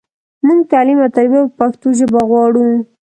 مونږ تعلیم او تربیه په پښتو ژبه غواړو.